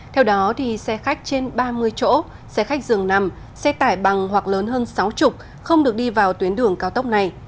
theo đó xe khách trên ba mươi chỗ xe khách dường nằm xe tải bằng hoặc lớn hơn sáu mươi không được đi vào tuyến đường cao tốc này